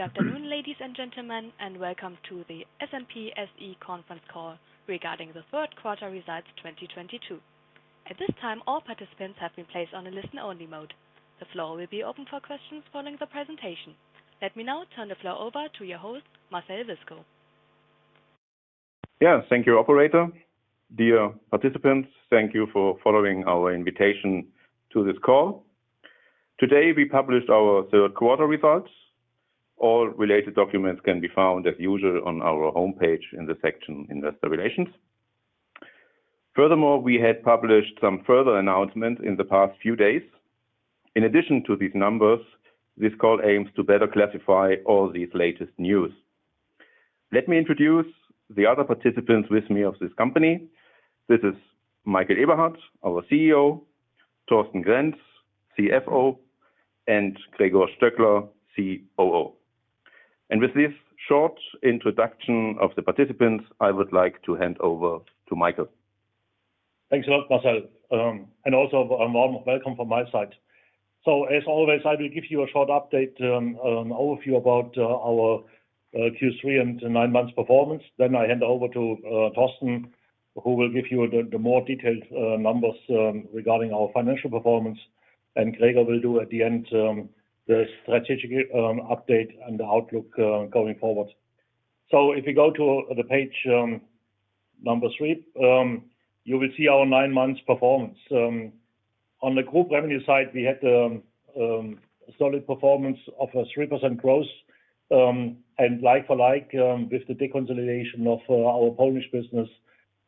Good afternoon, ladies and gentlemen, and welcome to the SNP SE Conference Call regarding the third quarter results 2022. At this time, all participants have been placed on a listen-only mode. The floor will be open for questions following the presentation. Let me now turn the floor over to your host, Marcel Wiskow. Yeah. Thank you, operator. Dear participants, thank you for following our invitation to this call. Today, we published our third quarter results. All related documents can be found as usual on our homepage in the section Investor Relations. Furthermore, we had published some further announcements in the past few days. In addition to these numbers, this call aims to better classify all these latest news. Let me introduce the other participants with me of this company. This is Michael Eberhardt, our CEO, Thorsten Grenz, CFO, and Gregor Stöckler, COO. With this short introduction of the participants, I would like to hand over to Michael. Thanks a lot, Marcel. Also a warm welcome from my side. As always, I will give you a short update overview about our Q3 and nine months performance. I hand over to Thorsten who will give you the more detailed numbers regarding our financial performance. Gregor will do at the end the strategic update and the outlook going forward. If you go to the page number three, you will see our nine months performance. On the group revenue side, we had solid performance of a 3% growth. Like-for-like, with the deconsolidation of our Polish business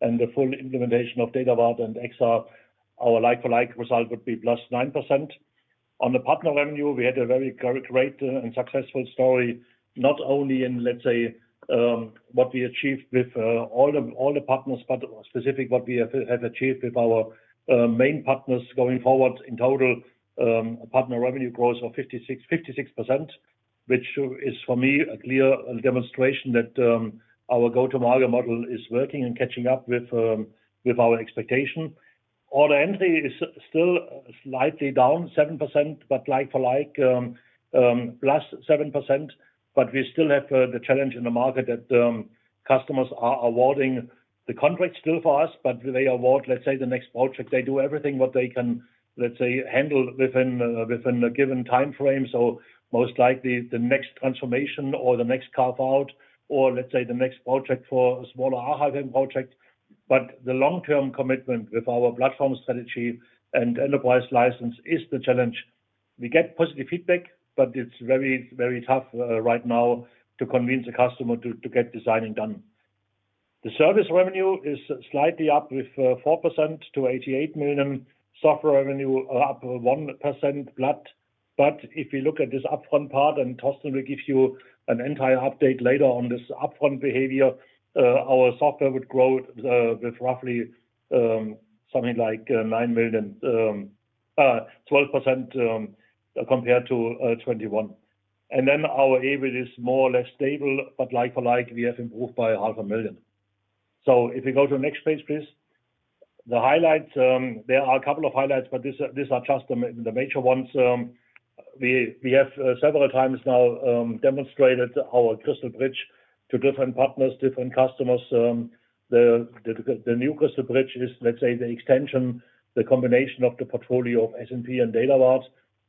and the full implementation of Datavard and EXA, our like-for-like result would be +9%. On the partner revenue, we had a very great and successful story, not only in, let's say, what we achieved with all the partners, but specifically what we have achieved with our main partners going forward. In total, a partner revenue growth of 56%, which is for me a clear demonstration that our go-to-market model is working and catching up with our expectation. Order entry is still slightly down 7%, but like-for-like +7%. We still have the challenge in the market that customers are awarding the contract still for us, but they award, let's say, the next project. They do everything what they can, let's say, handle within a given time frame. Most likely the next transformation or the next carve-out, or let's say the next project for a smaller project. The long-term commitment with our platform strategy and enterprise license is the challenge. We get positive feedback, but it's very, very tough right now to convince a customer to get deciding done. The service revenue is slightly up with 4% to 88 million. Software revenue up 1% flat. If you look at this upfront part, and Thorsten will give you an entire update later on this upfront behavior, our software would grow with roughly something like 9 million, 12% compared to 2021. And then our average is more or less stable, but like-for-like, we have improved by EUR half a million. If you go to the next page, please. The highlights, there are a couple of highlights, but these are just the major ones. We have several times now demonstrated our CrystalBridge to different partners, different customers. The new CrystalBridge is, let's say, the extension, the combination of the portfolio of SNP and Datavard.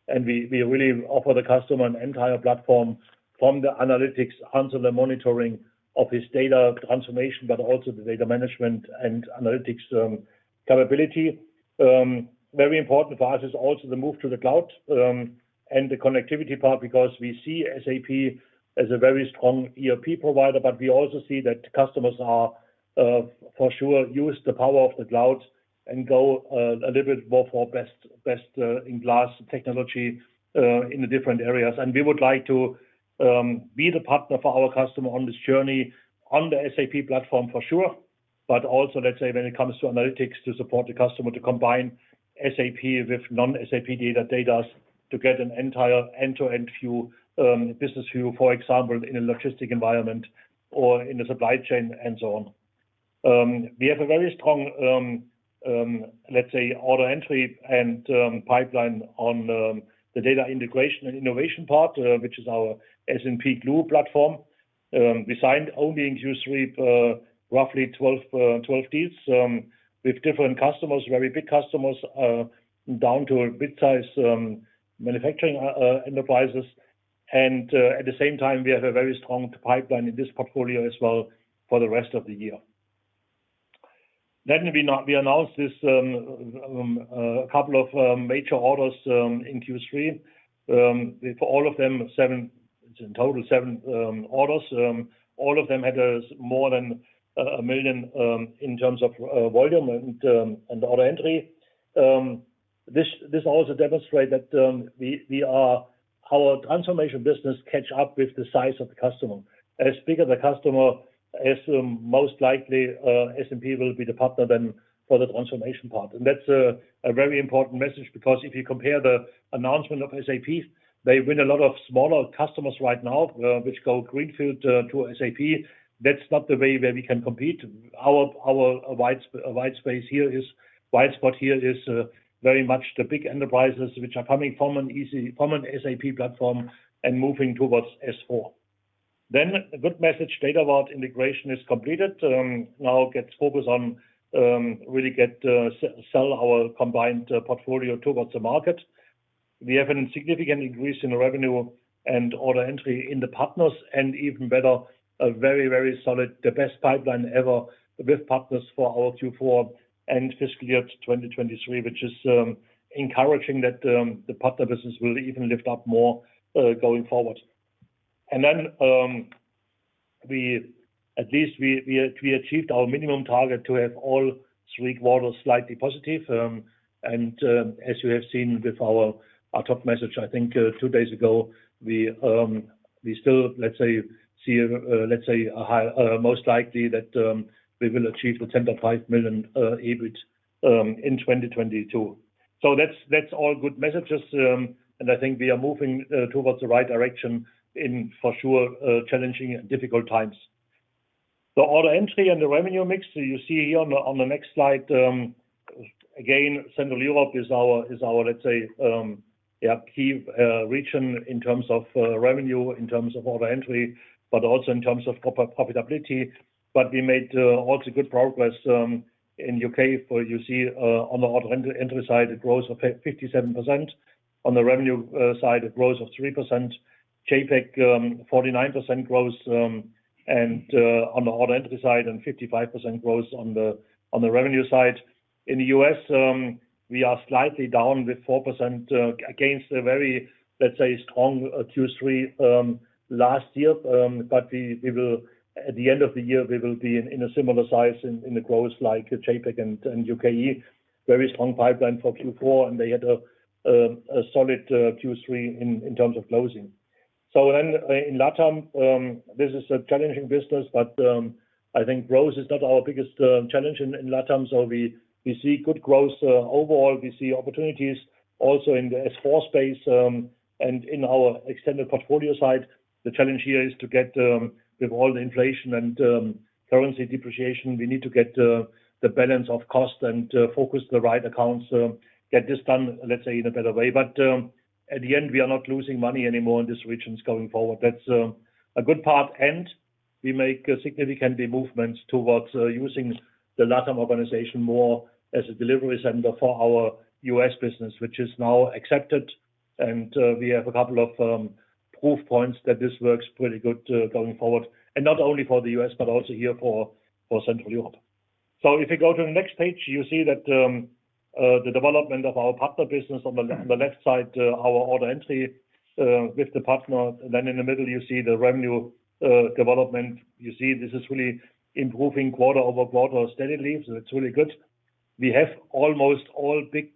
We really offer the customer an entire platform from the analytics until the monitoring of his data transformation, but also the data management and analytics capability. Very important for us is also the move to the cloud, and the connectivity part, because we see SAP as a very strong ERP provider, but we also see that customers are, for sure use the power of the cloud and go, a little bit more for best-in-class technology, in the different areas. We would like to be the partner for our customer on this journey on the SAP platform for sure. Also, let's say when it comes to analytics to support the customer to combine SAP with non-SAP data they does to get an entire end-to-end view, business view, for example, in a logistics environment or in a supply chain and so on. We have a very strong, let's say, order entry and pipeline on the data integration and innovation part, which is our SNP Glue platform. We signed only in Q3 roughly 12 deals with different customers, very big customers down to a midsize manufacturing enterprises. At the same time, we have a very strong pipeline in this portfolio as well for the rest of the year. We announced this couple of major orders in Q3. For all of them, seven in total orders. All of them had more than 1 million in terms of volume and order entry. This also demonstrate that our transformation business catch up with the size of the customer. As big as the customer is, most likely, SNP will be the partner then for the transformation part. That's a very important message because if you compare the announcement of SAP, they win a lot of smaller customers right now, which go greenfield to SAP. That's not the way where we can compete. Our sweet spot here is very much the big enterprises which are coming from an SAP platform and moving towards S/4. A good message, Datavard integration is completed, now gets focused on really sell our combined portfolio towards the market. We have a significant increase in the revenue and order entry in the partners and even better, a very solid, the best pipeline ever with partners for our Q4 and fiscal year 2023, which is encouraging that the partner business will even lift up more going forward. At least we achieved our minimum target to have all three quarters slightly positive. As you have seen with our top message, I think, two days ago, we still see most likely that we will achieve 10.5 million EBIT in 2022. That's all good messages, and I think we are moving towards the right direction in for sure challenging and difficult times. The order entry and the revenue mix you see here on the next slide, again, Central Europe is our let's say key region in terms of revenue, in terms of order entry, but also in terms of profitability. We also made good progress in U.K., as you see on the order entry side, a growth of 57%. On the revenue side, a growth of 3%. JAPAC, 49% growth on the order entry side and 55% growth on the revenue side. In the U.S., we are slightly down with 4% against a very let's say strong Q3 last year. We will be in a similar size in the growth like JAPAC and UK&I. Very strong pipeline for Q4, and they had a solid Q3 in terms of closing. In LATAM, this is a challenging business, but I think growth is not our biggest challenge in LATAM. We see good growth overall. We see opportunities also in the S/4 space and in our extended portfolio side. The challenge here is to get with all the inflation and currency depreciation, we need to get the balance of cost and focus the right accounts, get this done, let's say in a better way. At the end, we are not losing money anymore in these regions going forward. That's a good part, and we make significant movements towards using the LATAM organization more as a delivery center for our US business, which is now accepted. We have a couple of proof points that this works pretty good going forward. Not only for the U.S., but also here for Central Europe. If you go to the next page, you see that the development of our partner business on the left side, our order entry with the partner. In the middle, you see the revenue development. You see this is really improving quarter-over-quarter steadily, so it's really good. We have almost all big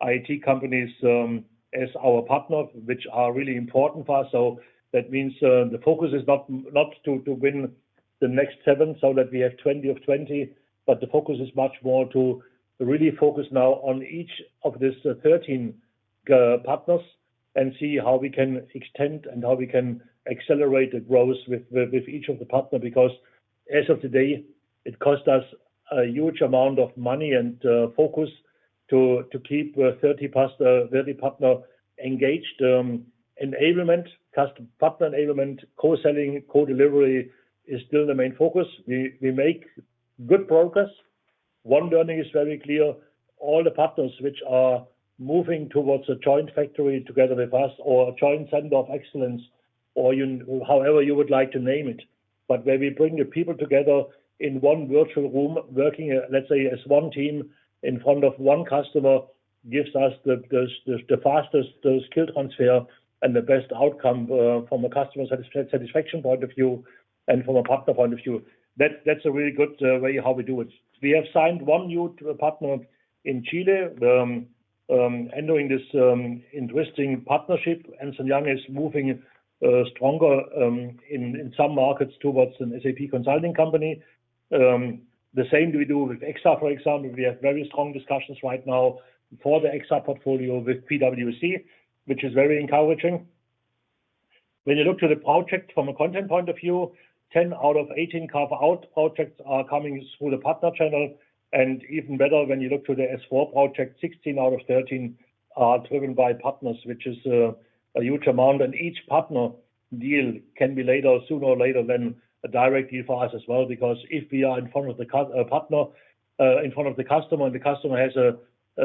IT companies as our partner, which are really important for us. That means, the focus is not to win the next seven so that we have 20 of 20, but the focus is much more to really focus now on each of these 13 partners and see how we can extend and how we can accelerate the growth with each of the partner. Because as of today, it cost us a huge amount of money and focus to keep 30 partners engaged. Enablement, custom partner enablement, co-selling, co-delivery is still the main focus. We make good progress. One learning is very clear. All the partners which are moving towards a joint factory together with us or a joint Center of Excellence or however you would like to name it. Where we bring the people together in one virtual room working, let's say as one team in front of one customer, gives us the fastest skill transfer and the best outcome from a customer satisfaction point of view and from a partner point of view. That's a really good way how we do it. We have signed one new partner in Chile entering this interesting partnership. Ernst & Young is moving stronger in some markets towards an SAP consulting company. The same we do with EXA, for example. We have very strong discussions right now for the EXA portfolio with PwC, which is very encouraging. When you look to the project from a content point of view, 10 out of 18 carve-out projects are coming through the partner channel. Even better, when you look to the S/4 project, 16 out of 13 are driven by partners, which is a huge amount. Each partner deal can be later, sooner or later than a direct deal for us as well. Because if we are in front of the partner in front of the customer, and the customer has a,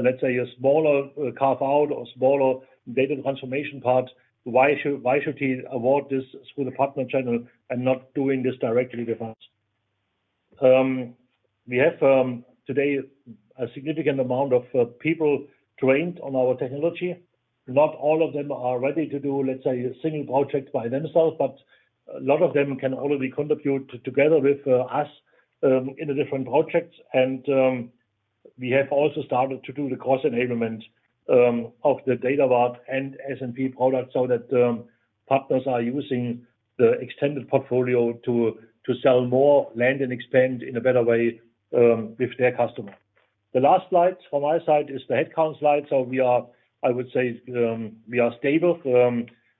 let's say a smaller carve-out or smaller data transformation part, why should he award this through the partner channel and not doing this directly with us? We have today a significant amount of people trained on our technology. Not all of them are ready to do, let's say, a single project by themselves, but a lot of them can already contribute together with us in the different projects. We have also started to do the cross-enablement of the Datavard and SNP products, so that partners are using the extended portfolio to sell more, land and expand in a better way with their customer. The last slide from my side is the headcount slide. We are, I would say, stable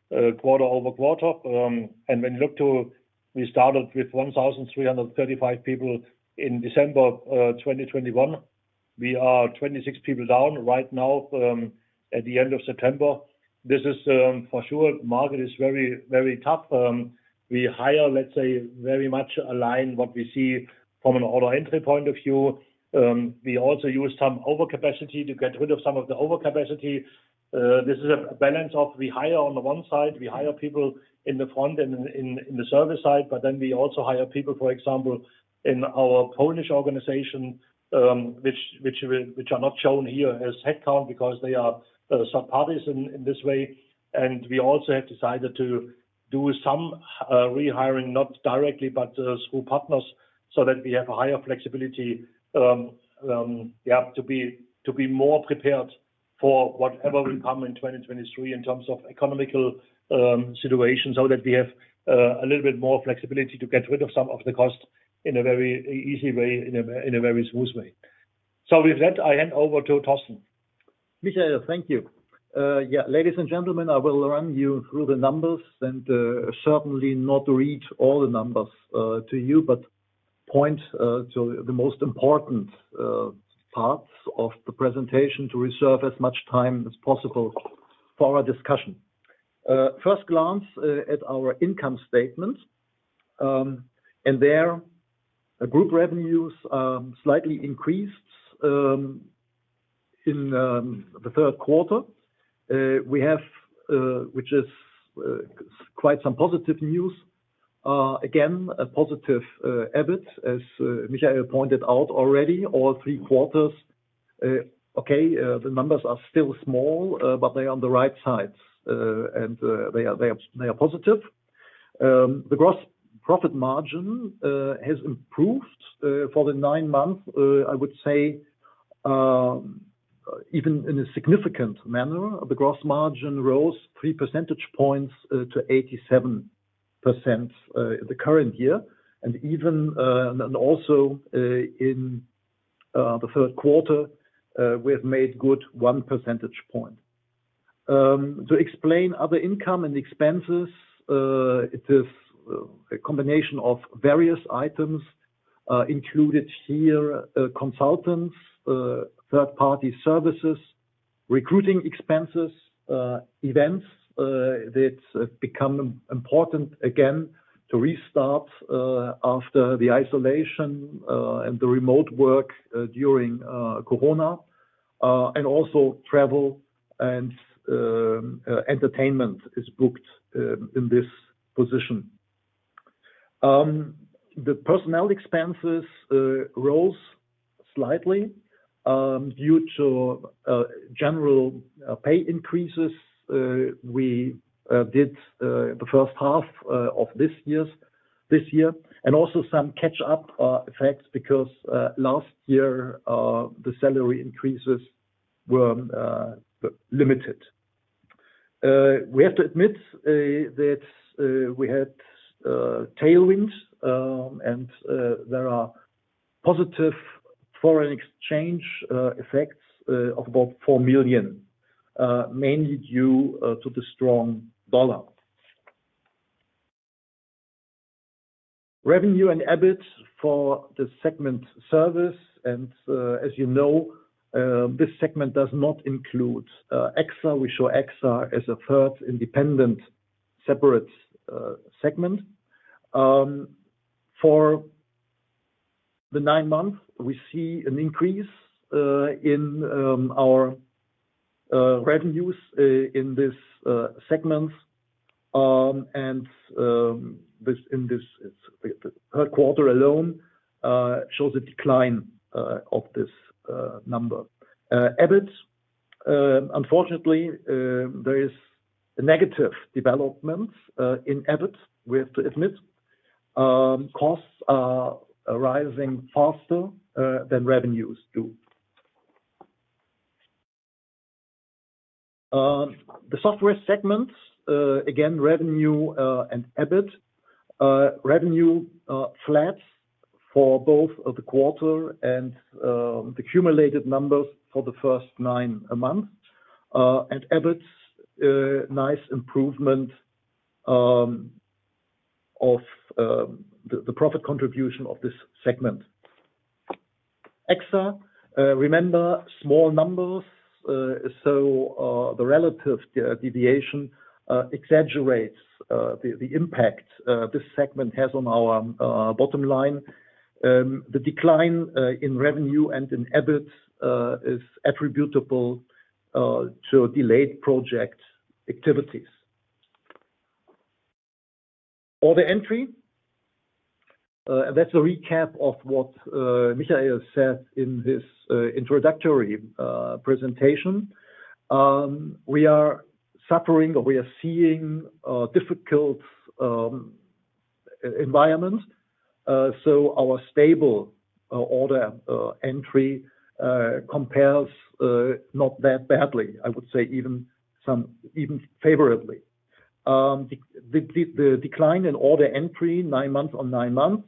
quarter-over-quarter. When you look to, we started with 1,335 people in December 2021. We are 26 people down right now from the end of September. This is for sure. The market is very, very tough. We hire, let's say, very much aligned with what we see from an order entry point of view. We also use some overcapacity to get rid of some of the overcapacity. This is a balance of we hire on the one side, we hire people in the front and in the service side, but then we also hire people, for example, in our Polish organization, which are not shown here as headcount because they are sub-parties in this way. We also have decided to do some rehiring, not directly, but through partners, so that we have a higher flexibility to be more prepared for whatever will come in 2023 in terms of economic situation, so that we have a little bit more flexibility to get rid of some of the costs in a very easy way, in a very smooth way. With that, I hand over to Thorsten. Michael, thank you. Ladies and gentlemen, I will run you through the numbers and certainly not read all the numbers to you, but point to the most important parts of the presentation to reserve as much time as possible for our discussion. At first glance at our income statement, and there the group revenues slightly increased in the third quarter. We have, which is quite some positive news. Again, a positive EBIT, as Michael pointed out already, all three quarters. Okay, the numbers are still small, but they're on the right side. And they are positive. The gross profit margin has improved for the nine months, I would say, even in a significant manner. The gross margin rose 3 percentage points to 87% in the current year. Even, and also, in the third quarter we have made good 1 percentage point. To explain other income and expenses, it is a combination of various items included here, consultants, third party services, recruiting expenses, events that become important again to restart after the isolation and the remote work during Corona. Also travel and entertainment is booked in this position. The personnel expenses rose slightly due to general pay increases we did in the first half of this year and also some catch-up effects because last year the salary increases were limited. We have to admit that we had tailwinds, and there are positive foreign exchange effects of about 4 million mainly due to the strong dollar. Revenue and EBIT for the segment service. As you know, this segment does not include EXA. We show EXA as a third independent, separate segment. For the nine months, we see an increase in our revenues in this segment. In this, the third quarter alone shows a decline of this number. EBIT, unfortunately, there is a negative development in EBIT, we have to admit. Costs are rising faster than revenues do. The software segments, again, revenue and EBIT. Revenue flat for both the quarter and the cumulative numbers for the first nine months. EBIT, nice improvement of the profit contribution of this segment. EXA, remember small numbers, so the relative deviation exaggerates the impact this segment has on our bottom line. The decline in revenue and in EBIT is attributable to delayed project activities. Order entry, that's a recap of what Michael said in his introductory presentation. We are suffering or we are seeing a difficult environment, so our stable order entry compares not that badly. I would say even favorably. The decline in order entry nine months on nine months,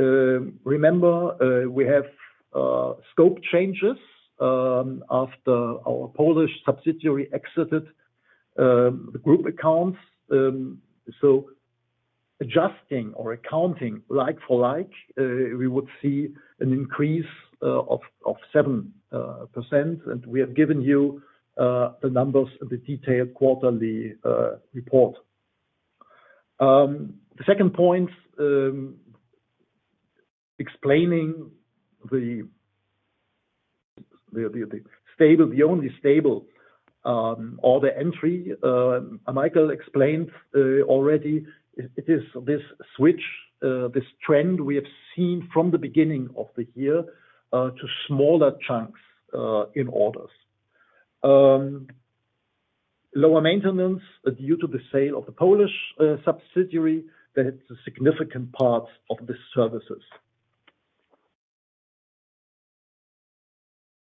remember, we have scope changes after our Polish subsidiary exited the group accounts. Adjusting or accounting like-for-like, we would see an increase of 7%, and we have given you the numbers of the detailed quarterly report. The second point explaining the only stable order entry, Michael explained already. It is this switch, this trend we have seen from the beginning of the year to smaller chunks in orders. Lower maintenance due to the sale of the Polish subsidiary, that is a significant part of the services.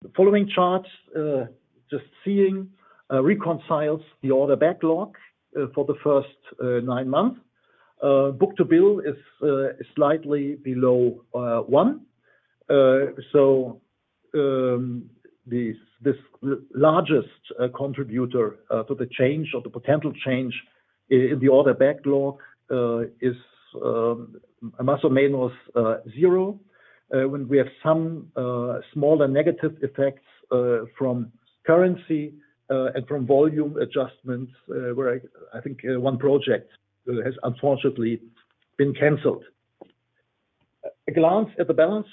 The following charts reconcile the order backlog for the first nine months. Book-to-bill is slightly below one. This largest contributor to the change or the potential change in the order backlog is almost or minus zero. We have some smaller negative effects from currency and from volume adjustments, where I think one project has unfortunately been canceled. A glance at the balance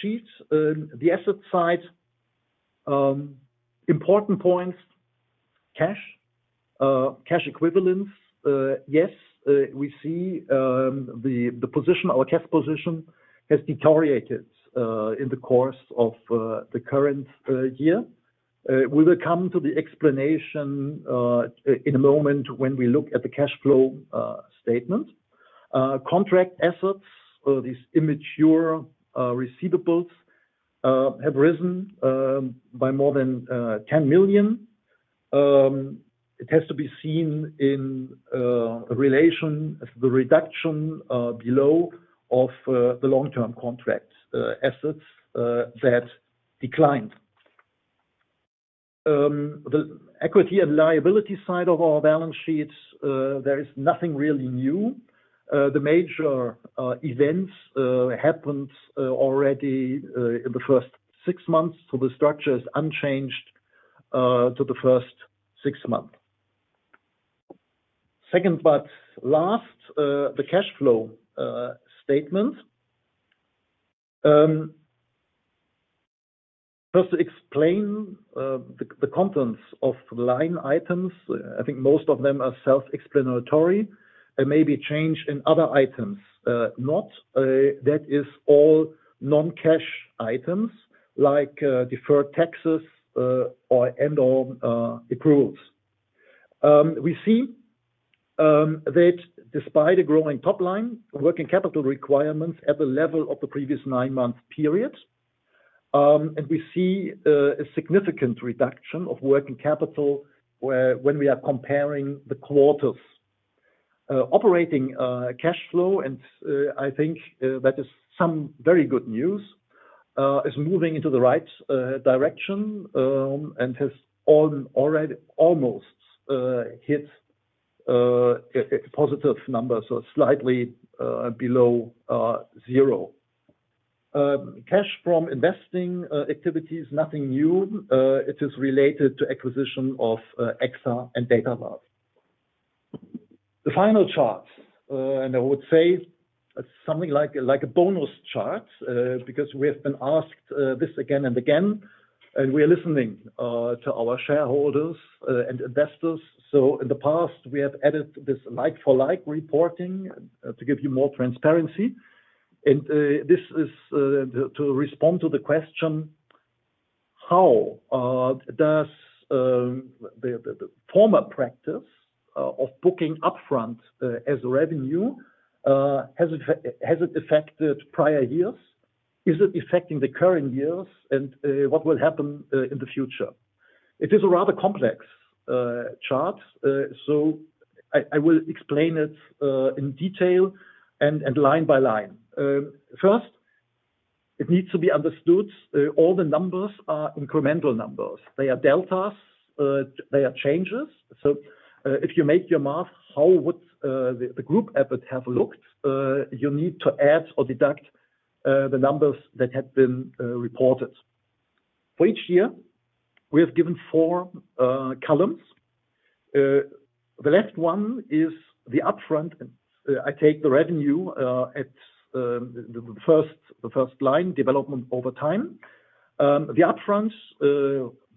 sheets. The asset side, important points, cash equivalents. Yes, we see the position, our cash position has deteriorated in the course of the current year. We will come to the explanation in a moment when we look at the cash flow statement. Contract assets, these immature receivables, have risen by more than 10 million. It has to be seen in relation to the reduction of the long-term contract assets that declined. The equity and liability side of our balance sheets, there is nothing really new. The major events happened already in the first six months, so the structure is unchanged to the first six months. Second, but last, the cash flow statement. First to explain the contents of line items. I think most of them are self-explanatory and maybe change in other items. Note that. That is all non-cash items like deferred taxes or provisions. We see that despite a growing top line, working capital requirements at the level of the previous nine-month period, and we see a significant reduction of working capital when we are comparing the quarters. Operating cash flow, and I think that is some very good news, is moving into the right direction, and has already almost hit a positive number, so slightly below zero. Cash from investing activities, nothing new. It is related to acquisition of EXA and Datavard. The final chart, and I would say something like a bonus chart, because we have been asked this again and again, and we are listening to our shareholders and investors. In the past, we have added this like-for-like reporting to give you more transparency. This is to respond to the question, how does the former practice of booking upfront as revenue has it affected prior years? Is it affecting the current years? What will happen in the future? It is a rather complex chart, so I will explain it in detail and line by line. First, it needs to be understood all the numbers are incremental numbers. They are deltas, they are changes. If you make your math, how would the group EBIT have looked, you need to add or deduct the numbers that had been reported. For each year, we have given four columns. The left one is the upfront, and I take the revenue at the first line development over time. The upfront,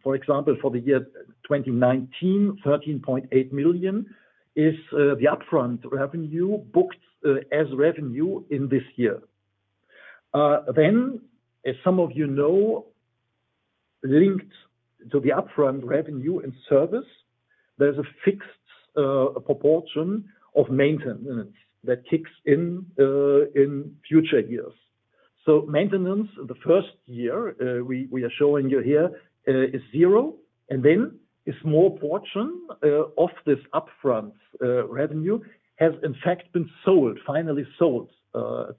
for example, for the year 2019, 13.8 million, is the upfront revenue booked as revenue in this year. As some of you know, linked to the upfront revenue and service, there's a fixed proportion of maintenance that kicks in in future years. Maintenance the first year we are showing you here is zero, and then a small portion of this upfront revenue has in fact been sold, finally sold,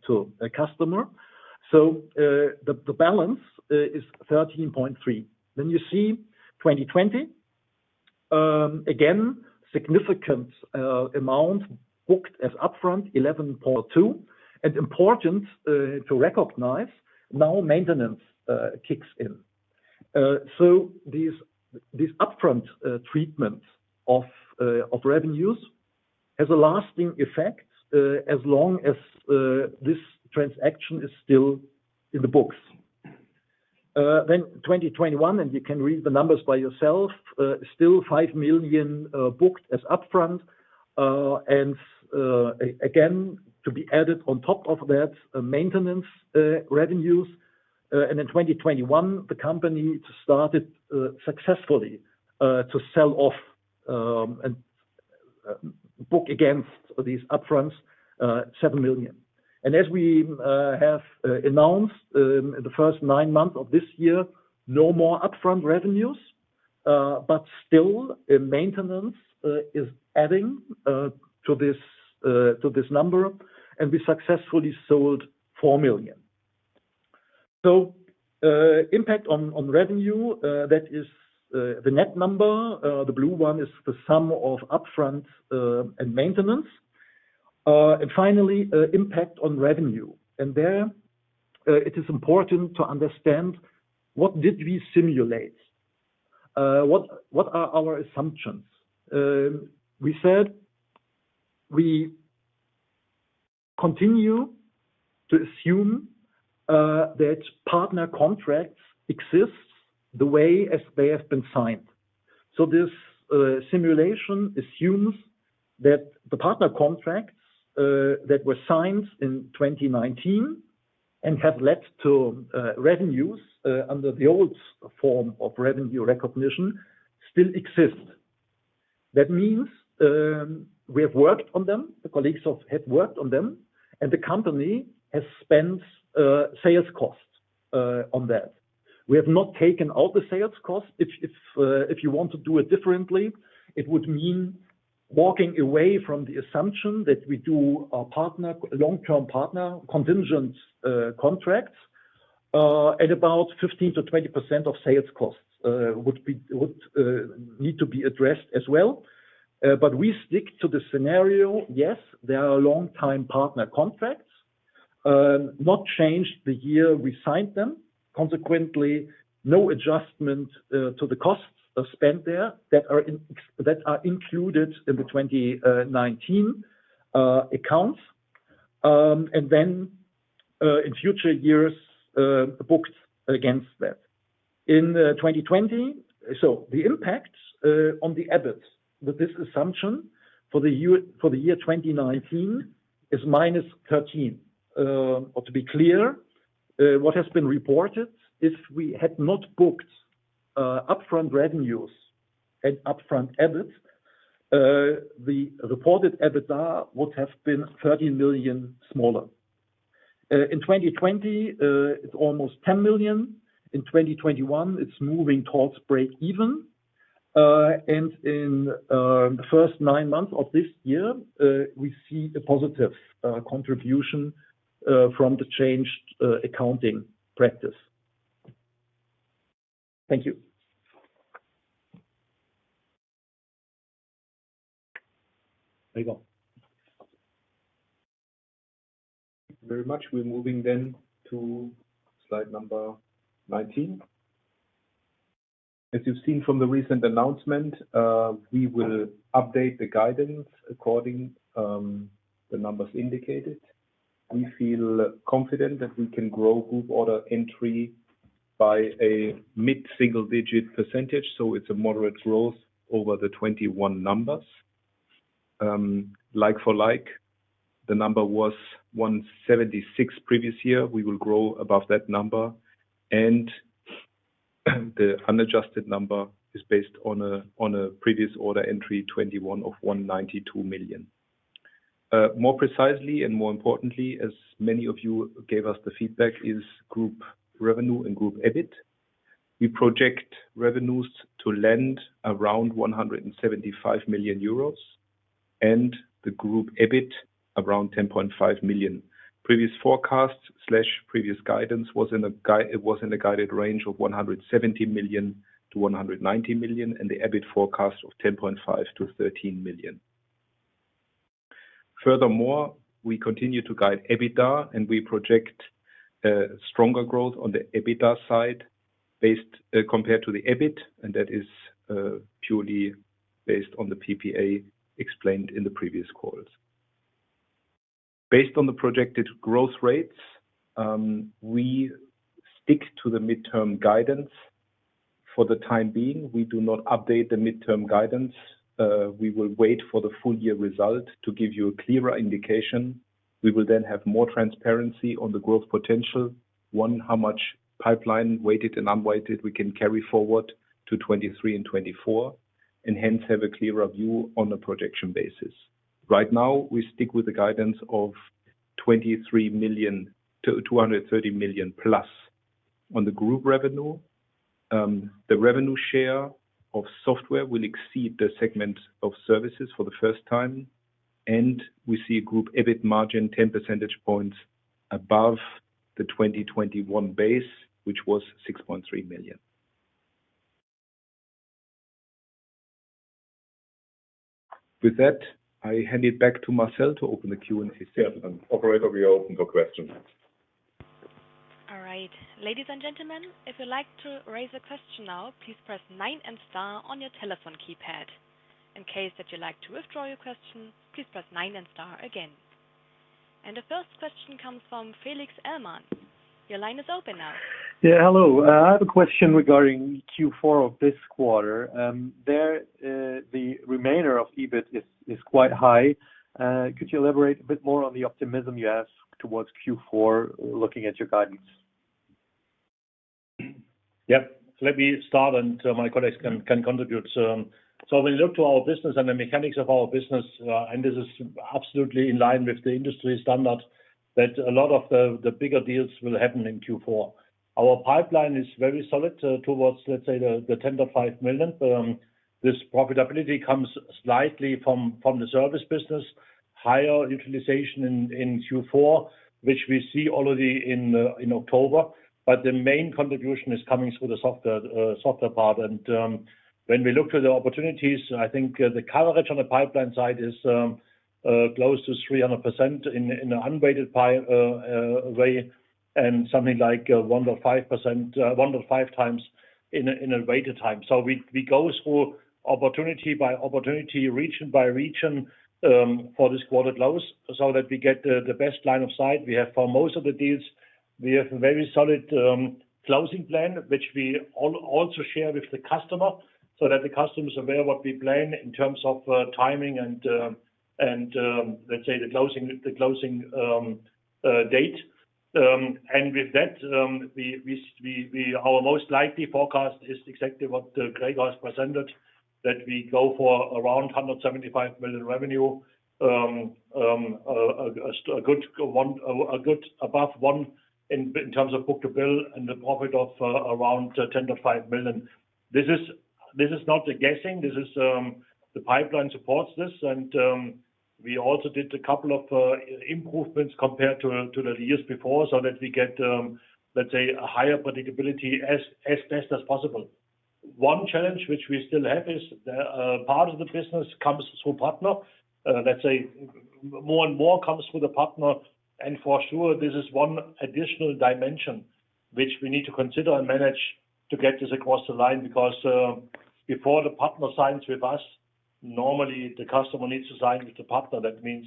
to a customer. The balance is 13.3 million. You see 2020, again, significant amount booked as upfront 11.2 million. Important to recognize now maintenance kicks in. This upfront treatment of revenues has a lasting effect as long as this transaction is still in the books. 2021, and you can read the numbers by yourself, still 5 million booked as upfront. Again, to be added on top of that, maintenance revenues. In 2021, the company started successfully to sell off and book against these upfronts 7 million. As we have announced in the first nine months of this year, no more upfront revenues, but still maintenance is adding to this number, and we successfully sold 4 million. Impact on revenue that is the net number. The blue one is the sum of upfronts and maintenance. Finally, impact on revenue. There it is important to understand what did we simulate? What are our assumptions? We said we continue to assume that partner contracts exists the way as they have been signed. This simulation assumes that the partner contracts that were signed in 2019 and have led to revenues under the old form of revenue recognition still exist. That means, we have worked on them, the colleagues have worked on them, and the company has spent sales costs on that. We have not taken out the sales cost. If you want to do it differently, it would mean walking away from the assumption that we do a long-term partner contingent contracts at about 15%-20% of sales costs would need to be addressed as well. But we stick to the scenario, yes, there are long-term partner contracts, not changed the year we signed them. Consequently, no adjustment to the costs spent there that are included in the 2019 accounts, and then in future years booked against that. In 2020... The impact on the EBIT with this assumption for the year 2019 is minus 13 million. Or to be clear, what has been reported, if we had not booked upfront revenues and upfront EBIT, the reported EBITDA would have been 13 million smaller. In 2020, it's almost 10 million. In 2021, it's moving towards breakeven. In the first nine months of this year, we see a positive contribution from the changed accounting practice. Thank you. Gregor. Thank you very much. We're moving then to slide number 19. As you've seen from the recent announcement, we will update the guidance according to the numbers indicated. We feel confident that we can grow group order entry by a mid-single-digit percentage, so it's a moderate growth over the 21 numbers. Like-for-like, the number was 176 previous year. We will grow above that number. The unadjusted number is based on a previous order entry 21 of 192 million. More precisely and more importantly, as many of you gave us the feedback, is group revenue and group EBIT. We project revenues to land around 175 million euros and the group EBIT around 10.5 million. Previous forecasts slash previous guidance was in a guided range of 170 million-190 million, and the EBIT forecast of 10.5 million-13 million. Furthermore, we continue to guide EBITDA, and we project stronger growth on the EBITDA side based compared to the EBIT, and that is purely based on the PPA explained in the previous calls. Based on the projected growth rates, we stick to the mid-term guidance. For the time being, we do not update the mid-term guidance. We will wait for the full-year result to give you a clearer indication. We will then have more transparency on the growth potential. One, how much pipeline weighted and unweighted we can carry forward to 2023 and 2024, and hence have a clearer view on a projection basis. Right now, we stick with the guidance of 23 million-230 million-plus on the group revenue. The revenue share of software will exceed the segment of services for the first time. We see group EBIT margin 10 percentage points above the 2021 base, which was EUR 6.3 million. With that, I hand it back to Marcel to open the Q&A session. Operator, we open for questions. All right, ladies and gentlemen, if you'd like to raise a question now, please press nine and star on your telephone keypad. In case that you'd like to withdraw your question, please press nine and star again. The first question comes from Felix Ellmann. Your line is open now. Yeah, hello. I have a question regarding Q4 of this quarter. The remainder of EBIT is quite high. Could you elaborate a bit more on the optimism you have towards Q4, looking at your guidance? Yeah. Let me start, and my colleagues can contribute. We look to our business and the mechanics of our business, and this is absolutely in line with the industry standard that a lot of the bigger deals will happen in Q4. Our pipeline is very solid towards, let's say, the 5-10 million. This profitability comes slightly from the service business, higher utilization in Q4, which we see already in October. The main contribution is coming through the software part. When we look to the opportunities, I think the coverage on the pipeline side is close to 300% in an unweighted way, and something like 1-5 times in a weighted way. We go through opportunity by opportunity, region by region, for this quarter close so that we get the best line of sight. We have for most of the deals a very solid closing plan, which we also share with the customer so that the customer is aware what we plan in terms of timing and let's say the closing date. With that, our most likely forecast is exactly what Gregor has presented, that we go for around 175 million revenue, a good above one in terms of book-to-bill and the profit of around 10 million-5 million. This is not a guessing. This is the pipeline supports this. We also did a couple of improvements compared to the years before so that we get, let's say, a higher predictability as best as possible. One challenge which we still have is the part of the business comes through partner. Let's say more and more comes through the partner. For sure, this is one additional dimension which we need to consider and manage to get this across the line, because before the partner signs with us, normally the customer needs to sign with the partner. That means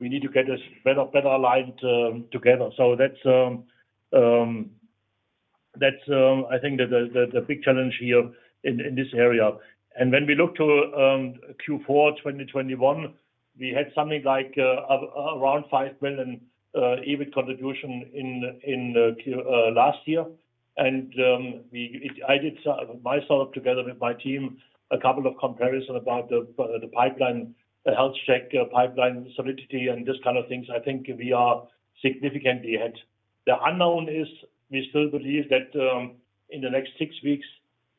we need to get this better aligned together. That's, I think, the big challenge here in this area. When we look to Q4 2021, we had something like around 5 million EBIT contribution in last year. I did myself together with my team a couple of comparisons about the pipeline, the health check pipeline solidity and this kind of things. I think we are significantly ahead. The unknown is we still believe that in the next six weeks,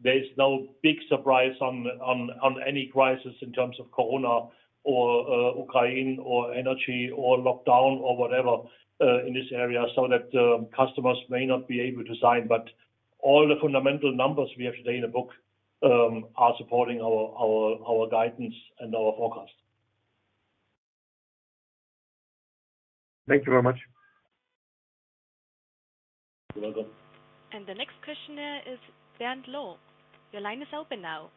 there is no big surprise on any crisis in terms of Corona or Ukraine or energy or lockdown or whatever in this area, so that customers may not be able to sign. All the fundamental numbers we have today in the book are supporting our guidance and our forecast. Thank you very much. You're welcome. The next question is Bernd Laux. Your line is open now.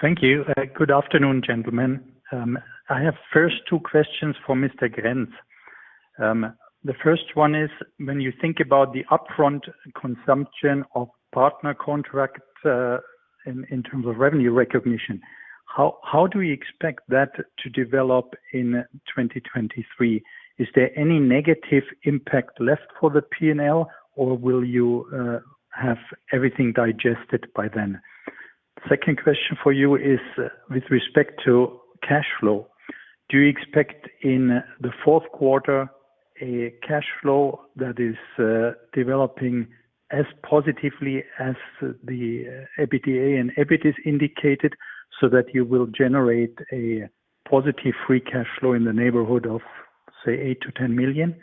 Thank you. Good afternoon, gentlemen. I have first two questions for Mr. Grenz. The first one is, when you think about the upfront consumption of partner contract, in terms of revenue recognition, how do we expect that to develop in 2023? Is there any negative impact left for the P&L or will you have everything digested by then? Second question for you is with respect to cash flow. Do you expect in the fourth quarter a cash flow that is developing as positively as the EBITDA and EBIT is indicated so that you will generate a positive free cash flow in the neighborhood of, say, 8 million-10 million?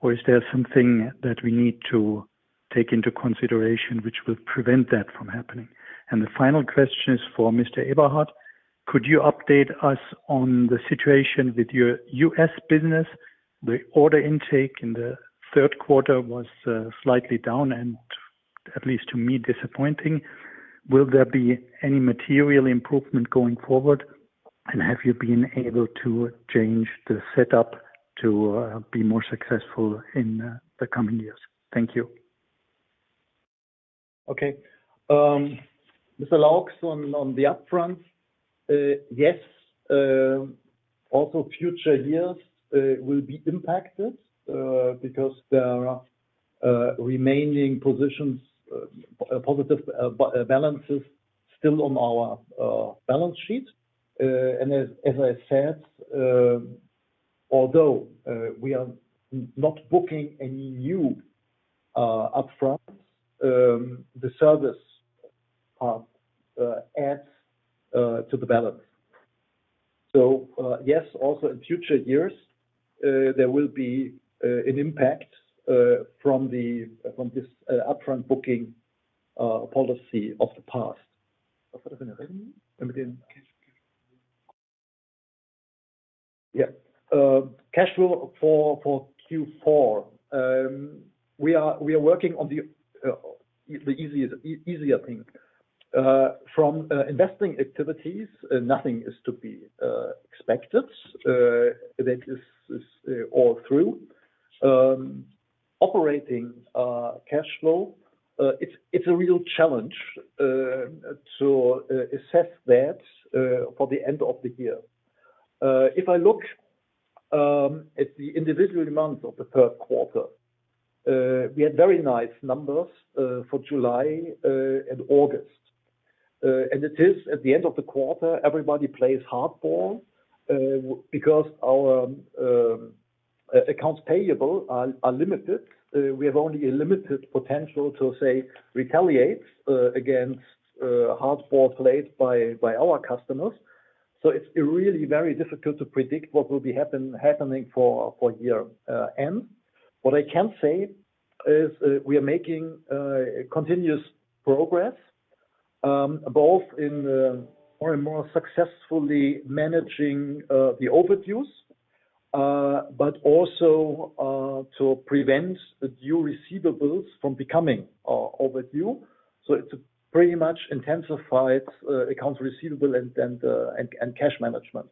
Or is there something that we need to take into consideration which will prevent that from happening? The final question is for Mr. Eberhard. Could you update us on the situation with your U.S. business? The order intake in the third quarter was slightly down and at least to me, disappointing. Will there be any material improvement going forward? Have you been able to change the setup to be more successful in the coming years? Thank you. Okay. Mr. Laux, on the upfront, yes, also future years will be impacted, because there are remaining positio+ns, positive balances still on our balance sheet. As I said, Although we are not booking any new upfronts, the service adds to the balance. Yes, also in future years, there will be an impact from this upfront booking policy of the past. Yeah. Cash flow for Q4. We are working on the easier thing. From investing activities, nothing is to be expected. That is all through. Operating cash flow, it's a real challenge to assess that for the end of the year. If I look at the individual months of the third quarter, we had very nice numbers for July and August. It is at the end of the quarter, everybody plays hardball, because our accounts payable are limited. We have only a limited potential to say, retaliate against hardball played by our customers. It's really very difficult to predict what will be happening for year end. What I can say is, we are making continuous progress, both in more and more successfully managing the overdues, but also to prevent the due receivables from becoming overdue. It's pretty much intensified accounts receivable and cash management.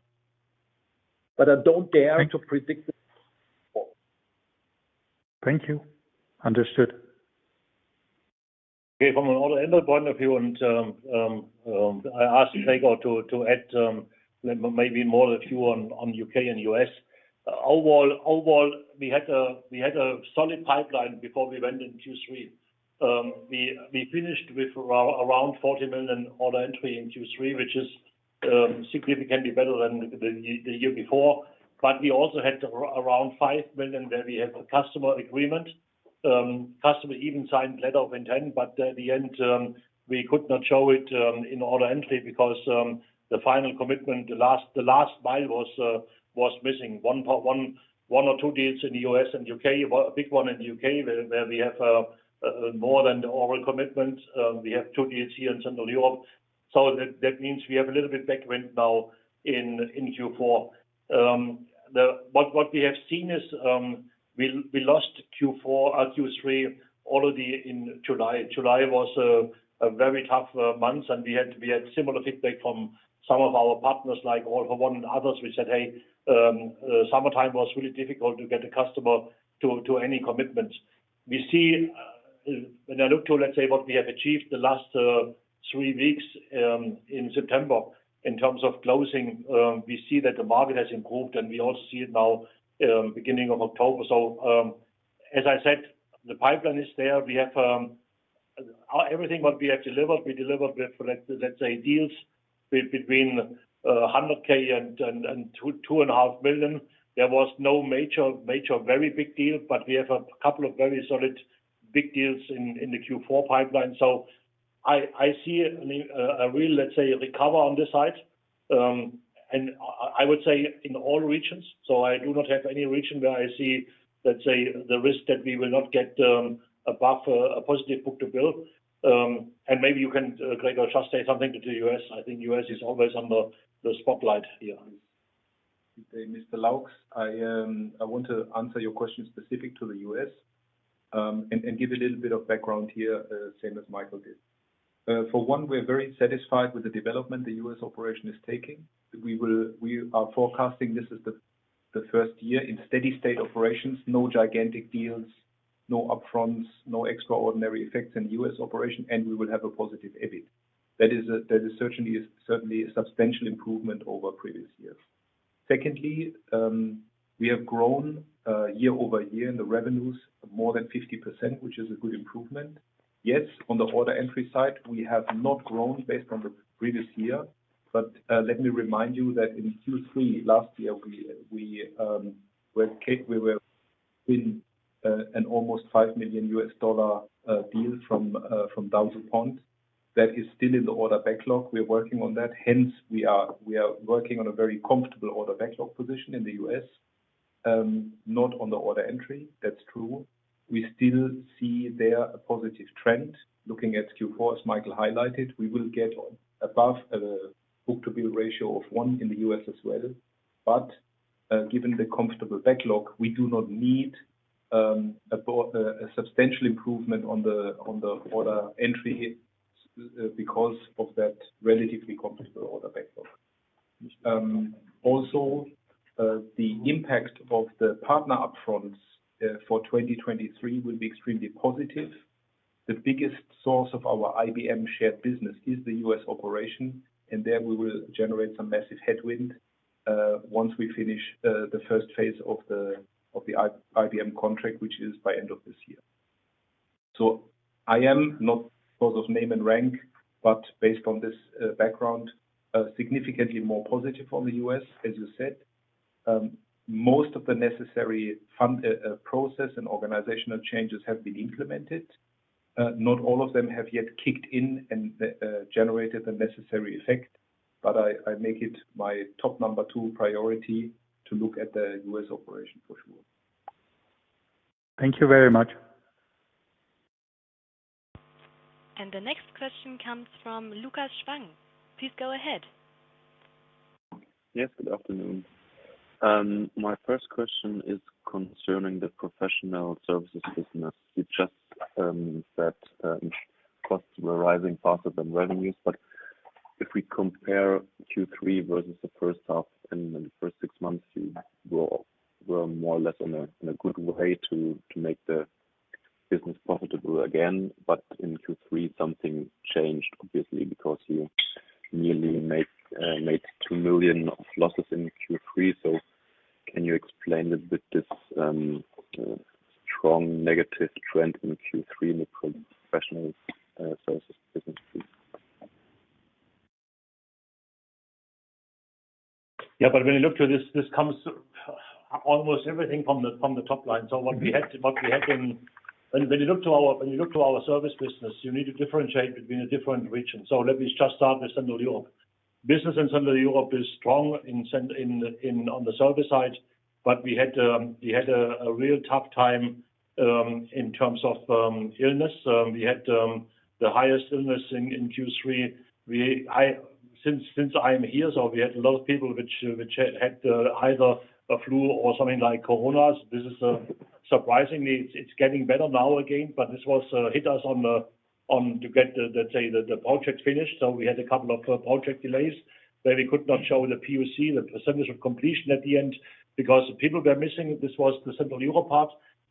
I don't dare to predict. Thank you. Understood. Okay. From an order entry point of view, I ask Gregor to add maybe more a few on UK and US. Overall, we had a solid pipeline before we went in Q3. We finished with around 40 million order entry in Q3, which is significantly better than the year before. We also had around 5 million where we have a customer agreement. Customer even signed letter of intent, but at the end, we could not show it in order entry because the final commitment, the last mile was missing one or two deals in the US and UK. A big one in the UK where we have more than the oral commitment. We have two deals here in Central Europe, so that means we have a little bit tailwind now in Q4. What we have seen is, we lost Q3 already in July. July was a very tough month, and we had similar feedback from some of our partners like All for One and others. We said, "Hey, summertime was really difficult to get the customer to any commitments." We see, when I look to, let's say, what we have achieved the last three weeks in September in terms of closing, we see that the market has improved and we also see it now, beginning of October. As I said, the pipeline is there. We have everything what we have delivered, we delivered with, let's say, deals between 100,000 and 2.5 million. There was no major very big deal, but we have a couple of very solid big deals in the Q4 pipeline. I see a real, let's say, recover on this side. I would say in all regions, I do not have any region where I see, let's say, the risk that we will not get above a positive book-to-bill. Maybe you can, Gregor, just say something to the US. I think US is always under the spotlight here. Mr. Laux, I want to answer your question specific to the U.S., and give a little bit of background here, same as Michael did. For one, we're very satisfied with the development the U.S. operation is taking. We are forecasting this is the first year in steady state operations, no gigantic deals, no upfronts, no extraordinary effects in U.S. operation, and we will have a positive EBIT. That is certainly a substantial improvement over previous years. Secondly, we have grown year-over-year in the revenues more than 50%, which is a good improvement. Yes, on the order entry side, we have not grown based on the previous year. Let me remind you that in Q3 last year, we were in an almost $5 million deal from ThousandPoint. That is still in the order backlog. We're working on that. Hence, we are working on a very comfortable order backlog position in the U.S. Not on the order entry. That's true. We still see there a positive trend. Looking at Q4, as Michael highlighted, we will get above the book-to-bill ratio of one in the U.S. As well. Given the comfortable backlog, we do not need a substantial improvement on the order entry because of that relatively comfortable order backlog. Also, the impact of the partner upfronts for 2023 will be extremely positive. The biggest source of our IBM shared business is the U.S. operation, and there we will generate some massive headwind once we finish the first phase of the IBM contract, which is by end of this year. I am not sort of named and ranked, but based on this background, significantly more positive on the US, as you said. Most of the necessary fundamental process and organizational changes have been implemented. Not all of them have yet kicked in and generated the necessary effect, but I make it my top number two priority to look at the U.S. operation for sure. Thank you very much. The next question comes from Lukas Schwang. Please go ahead. Yes, good afternoon. My first question is concerning the professional services business. You just said costs were rising faster than revenues. If we compare Q3 versus the first half and then the first six months, you were more or less in a good way to make the business profitable again. In Q3, something changed obviously, because you nearly made 2 million of losses in Q3. Can you explain a bit this strong negative trend in Q3 in the professional services business, please? Yeah. When you look to this comes almost everything from the top line. What we had in. When you look to our service business, you need to differentiate between the different regions. Let me just start with Central Europe. Business in Central Europe is strong on the service side, but we had a real tough time in terms of illness. We had the highest illness in Q3. Since I'm here, we had a lot of people which had either a flu or something like Corona. This is surprisingly it's getting better now again, but this was hit us on to get the project finished. We had a couple of project delays where we could not show the POC, the percentage of completion at the end because people were missing. This was the Central Europe part.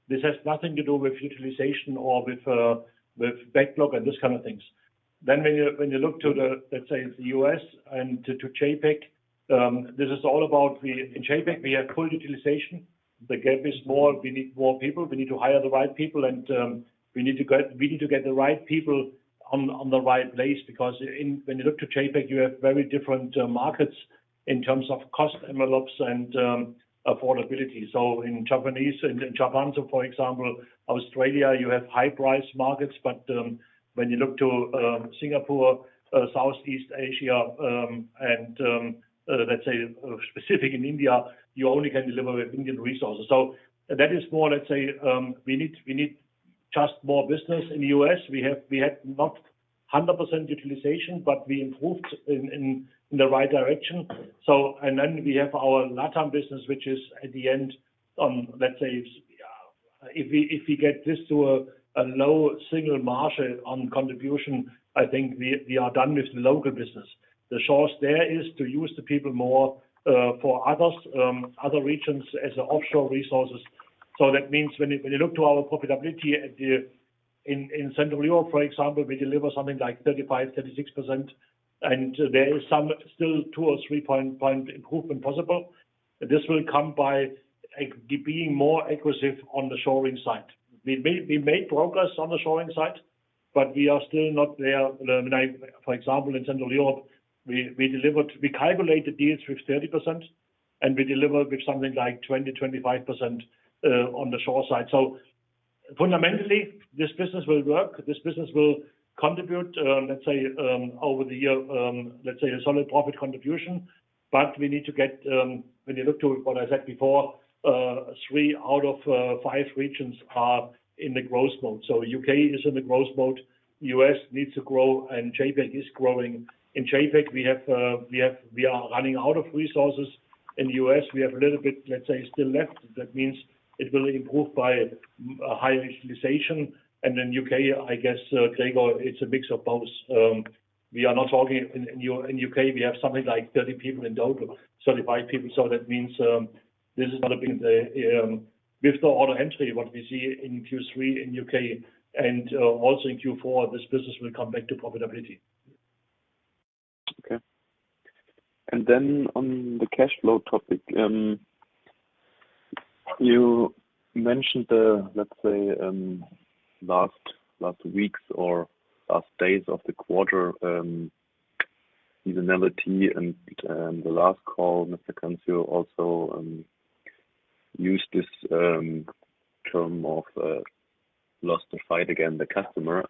This has nothing to do with utilization or with backlog and this kind of things. When you look to the, let's say the U.S. and to JAPAC, this is all about the. In JAPAC, we have full utilization. The gap is small. We need more people. We need to hire the right people, and we need to get the right people on the right place because when you look to JAPAC, you have very different markets in terms of cost envelopes and affordability. In Japan, for example, Australia, you have high-price markets, but when you look to Singapore, Southeast Asia, and let's say specifically in India, you only can deliver with Indian resources. That is more, let's say, we need just more business in U.S. We had not 100% utilization, but we improved in the right direction. We have our LATAM business, which is at the end, let's say it's if we get this to a low single-digit contribution margin, I think we are done with the local business. The course there is to use the people more for other regions as offshore resources. That means when you look to our profitability at the In Central Europe, for example, we deliver something like 35%-36%, and there is still some 2 or 3 point improvement possible. This will come by being more aggressive on the shoring side. We made progress on the shoring side, but we are still not there. For example, in Central Europe, we delivered, we calculated deals with 30%, and we delivered with something like 20%-25% on the shoring side. Fundamentally, this business will work. This business will contribute, let's say, over the year, let's say a solid profit contribution. We need to get, when you look at what I said before, three out of five regions are in the growth mode. U.K. is in the growth mode, U.S. needs to grow, and JAPAC is growing. In JAPAC, we are running out of resources. In U.S., we have a little bit, let's say, still left. That means it will improve by higher utilization. U.K., I guess, Gregor, it's a mix of both. We are not talking in U.K., we have something like 30 people in total, 35 people. That means this is gonna be with the order entry, what we see in Q3 in U.K. and also in Q4, this business will come back to profitability. Okay. Then on the cash flow topic, you mentioned the, let's say, last weeks or last days of the quarter, seasonality and the last call, Thorsten, you also used this term of lost the fight against the customer.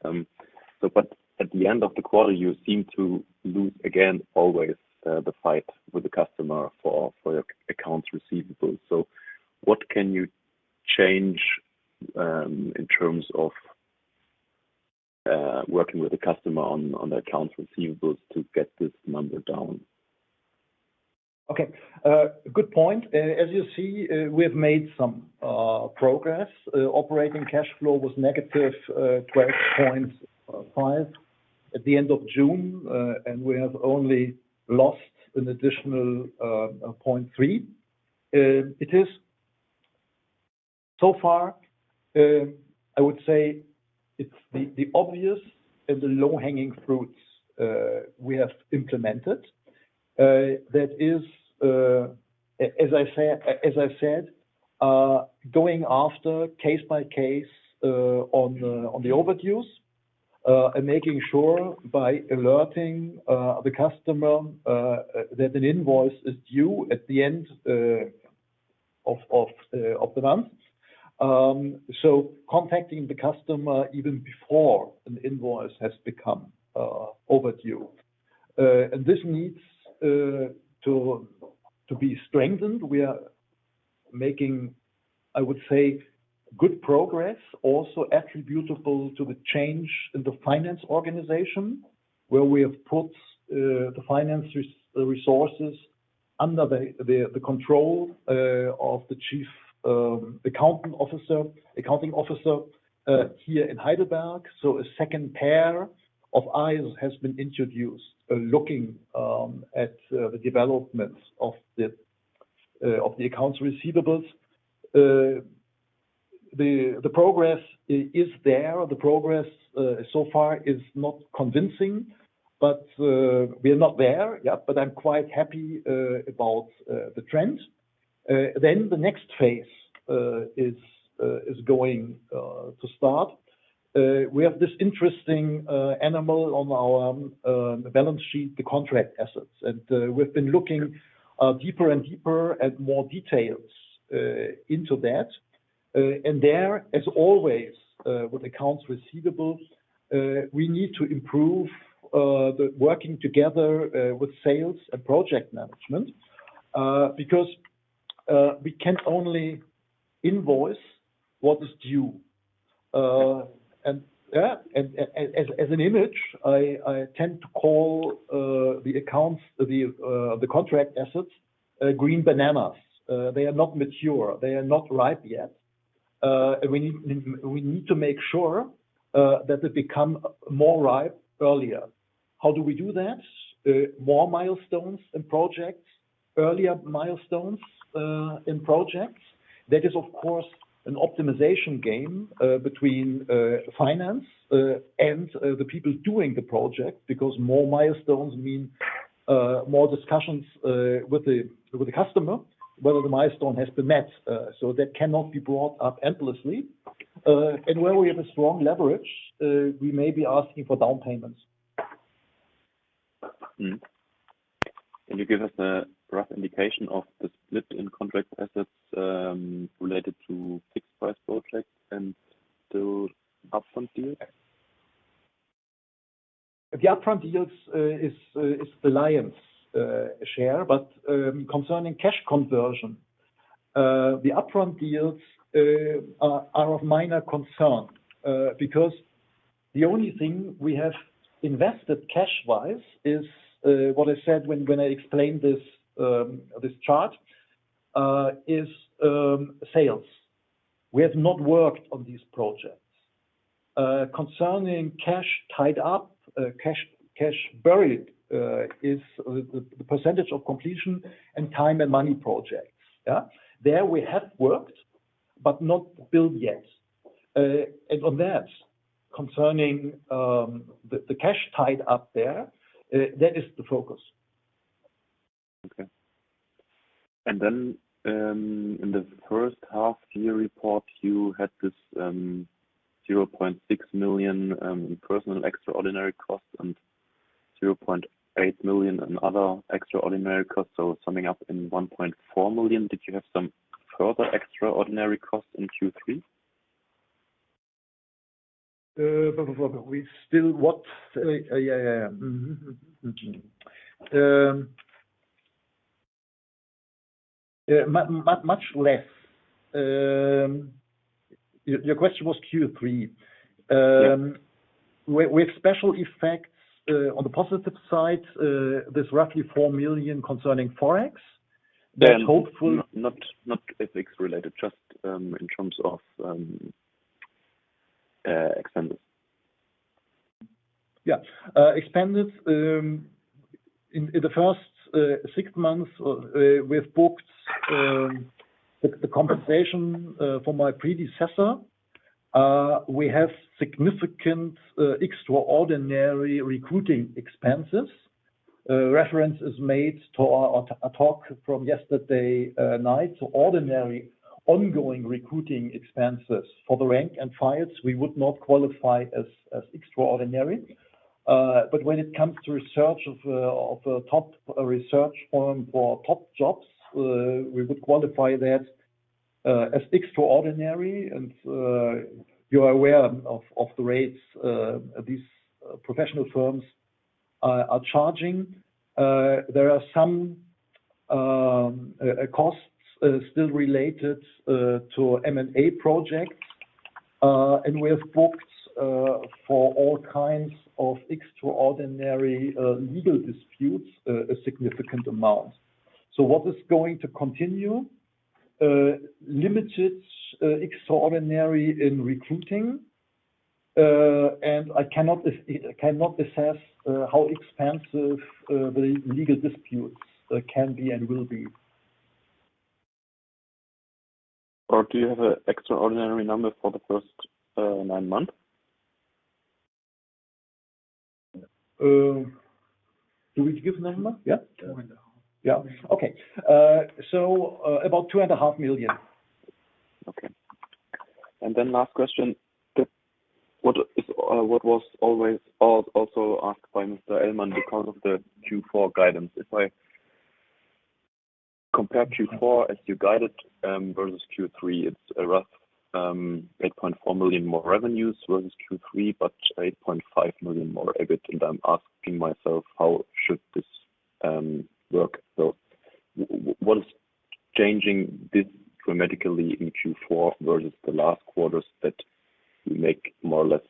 But at the end of the quarter, you seem to lose again always the fight with the customer for your accounts receivable. What can you change in terms of working with the customer on the accounts receivables to get this number down? Okay. Good point. As you see, we have made some progress. Operating cash flow was negative 12.5 at the end of June. We have only lost an additional 0.3. It is so far. I would say it's the obvious and the low-hanging fruits we have implemented. That is going after case by case on the overdues and making sure by alerting the customer that an invoice is due at the end of the month. Contacting the customer even before an invoice has become overdue. This needs to be strengthened. We are making, I would say, good progress also attributable to the change in the finance organization, where we have put the finance resources under the control of the chief accounting officer here in Heidelberg. A second pair of eyes has been introduced looking at the developments of the accounts receivables. The progress is there. The progress so far is not convincing, but we are not there yet, but I'm quite happy about the trend. The next phase is going to start. We have this interesting animal on our balance sheet, the contract assets, and we've been looking deeper and deeper at more details into that. There, as always, with accounts receivables, we need to improve the working together with sales and project management, because we can only invoice what is due. As an image, I tend to call the contract assets green bananas. They are not mature. They are not ripe yet. We need to make sure that they become more ripe earlier. How do we do that? More milestones in projects, earlier milestones in projects. That is, of course, an optimization game between finance and the people doing the project, because more milestones mean more discussions with the customer, whether the milestone has been met, so that cannot be brought up endlessly. Where we have a strong leverage, we may be asking for down payments. Can you give us a rough indication of the split in contract assets, related to fixed price projects and to upfront deals? The upfront deals is the lion's share, but concerning cash conversion, the upfront deals are of minor concern, because the only thing we have invested cash-wise is what I said when I explained this chart is sales. We have not worked on these projects. Concerning cash tied up, cash buried is the percentage of completion in time and money projects. Yeah. There we have worked, but not billed yet. On that, concerning the cash tied up there, that is the focus. Okay. In the first half year report, you had this 0.6 million in personnel extraordinary costs and 0.8 million in other extraordinary costs, so summing up in 1.4 million. Did you have some further extraordinary costs in Q3? We still what? Yeah, yeah. Much less. Your question was Q3. We have special effects on the positive side. There's roughly 4 million concerning Forex. That's hopeful. Not FX related, just in terms of expenses. Yeah. Expenses in the first six months we've booked the compensation for my predecessor. We have significant extraordinary recruiting expenses. Reference is made to our talk from yesterday night. Ordinary ongoing recruiting expenses for the rank and file, we would not qualify as extraordinary. But when it comes to top search firms for top jobs, we would qualify that as extraordinary. You are aware of the rates these professional firms are charging. There are some costs still related to M&A projects. We have booked for all kinds of extraordinary legal disputes a significant amount. What is going to continue limited extraordinary in recruiting. I cannot assess how expensive the legal disputes can be and will be. Do you have an extraordinary number for the first nine months? Do we give number? Yeah.Okay. About EUR 2.5 Million. Okay. Last question. What was always also asked by Mr. Ellmann because of the Q4 guidance. If I compare Q4 as you guided versus Q3, it's a rough 8.4 million more revenues versus Q3, but 8.5 million more EBIT. I'm asking myself, how should this work? What is changing this dramatically in Q4 versus the last quarters that you make more or less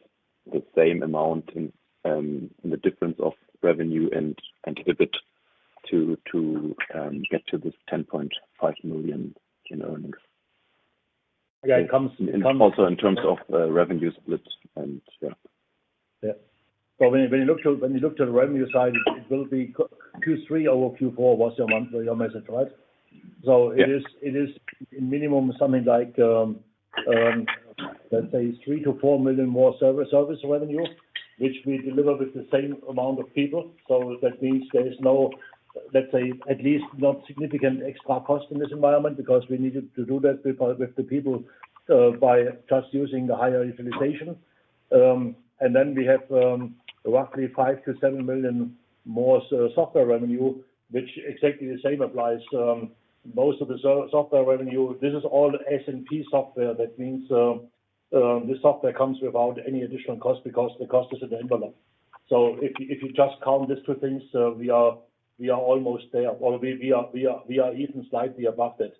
the same amount in the difference of revenue and EBIT to get to this 10.5 million in earnings? Yeah, it comes. Also in terms of the revenue splits, and yeah. Yeah. When you look to the revenue side, it will be Q3 over Q4 was your message, right? It is- It is minimum something like, let's say 3 million-4 million more service revenue, which we deliver with the same amount of people. That means there is no, let's say, at least not significant extra cost in this environment because we needed to do that with the people by just using the higher utilization. We have roughly 5 million-7 million more software revenue, which exactly the same applies. Most of the software revenue, this is all SNP software. That means the software comes without any additional cost because the cost is at the envelope. If you just count these two things, we are even slightly above that.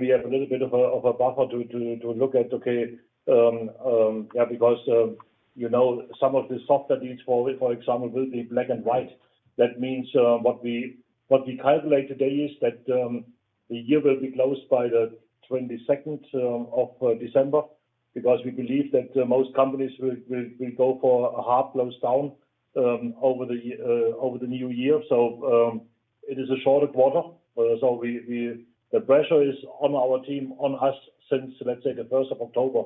We have a little bit of a buffer to look at, okay. Yeah, because, you know, some of the software needs, for example, will be black and white. That means what we calculate today is that the year will be closed by the 22nd of December because we believe that most companies will go for a hard close down over the new year. It is a shorter quarter. The pressure is on our team, on us since, let's say, the first of October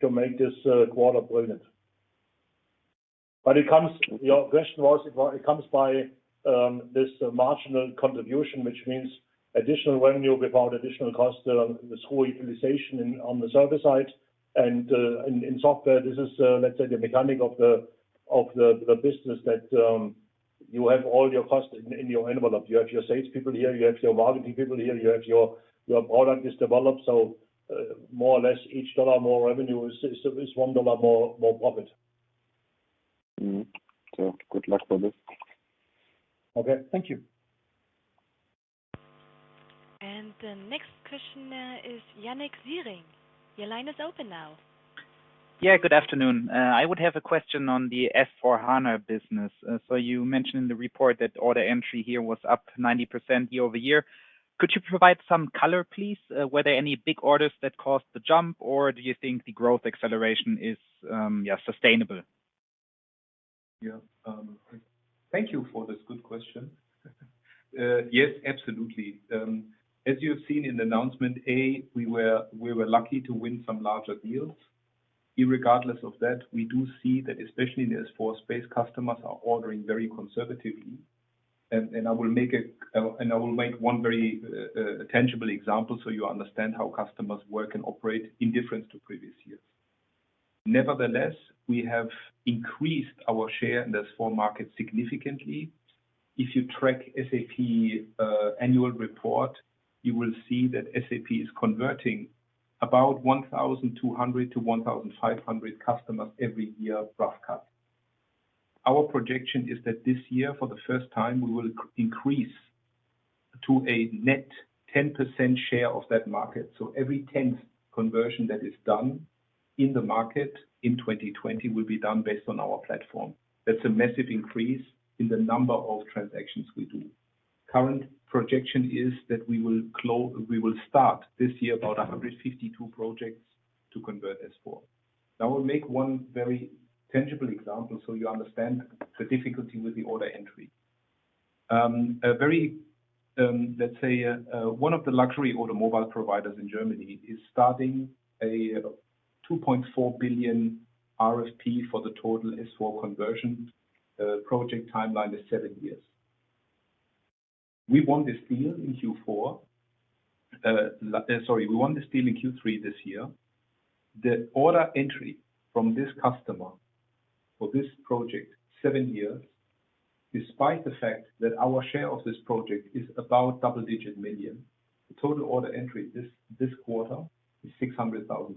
to make this quarter brilliant. Your question was it comes by this marginal contribution, which means additional revenue without additional cost, this whole utilization on the service side. In software, this is, let's say, the mechanic of the business that you have all your cost in your envelope. You have your sales people here, you have your marketing people here, you have your product is developed. More or less each dollar more revenue is $1 more profit. Good luck for this. Okay. Thank you. The next question is Yannick Ziering. Your line is open now. Good afternoon. I would have a question on the S/4HANA business. You mentioned in the report that order entry here was up 90% year-over-year. Could you provide some color, please? Were there any big orders that caused the jump, or do you think the growth acceleration is sustainable? Yeah. Thank you for this good question. Yes, absolutely. As you have seen in the announcement, we were lucky to win some larger deals. Irregardless of that, we do see that especially in the S/4 space, customers are ordering very conservatively. I will make one very tangible example so you understand how customers work and operate differently to previous years. Nevertheless, we have increased our share in the S/4 market significantly. If you track SAP annual report, you will see that SAP is converting about 1,200-1,500 customers every year, rough cut. Our projection is that this year, for the first time, we will increase to a net 10% share of that market. Every tenth conversion that is done in the market in 2020 will be done based on our platform. That's a massive increase in the number of transactions we do. Current projection is that we will start this year about 152 projects to convert S/4. Now I will make one very tangible example so you understand the difficulty with the order entry. One of the luxury automobile providers in Germany is starting a 2.4 billion RFP for the total S/4 conversion. Project timeline is seven years. We won this deal in Q4. We won this deal in Q3 this year. The order entry from this customer for this project, seven years, despite the fact that our share of this project is about double-digit million, the total order entry this quarter is 600,000